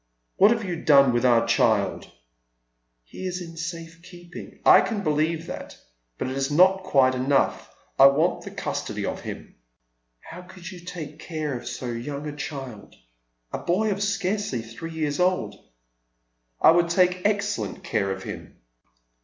What have you done with our child ?"" He is in safe keeping." " I can believe that, but it is not quite enough. I want the ^stody of him." " How could you take care of so young a child — ^a boy of Bcarcely tliree years old ?" "I would take excellent care of him."